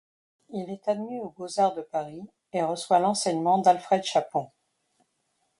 Il est admis aux Beaux-arts de Paris et reçoit l'enseignement d'Alfred Chapon.